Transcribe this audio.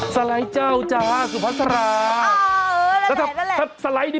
สไล่จ้าสวัสดี